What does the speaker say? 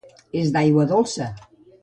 És d'aigua dolça.